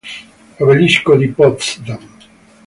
Obelisco di Potsdam